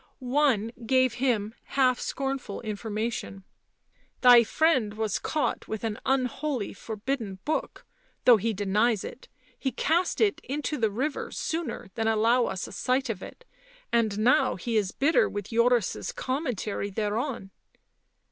One gave him half scornful information. u Thy friend was caught with an unholy forbidden book, though he denies it; he cast it into the river sooner than allow us a sight of it, and now he is bitter with Joris' com mentary thereon."